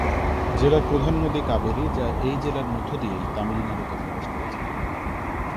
জেলার প্রধান নদী কাবেরী যা এই জেলার মধ্য দিয়েই তামিলনাড়ুতে প্রবেশ করেছেন।